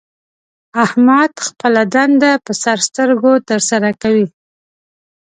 احمد خپله دنده په سر سترګو تر سره کوي.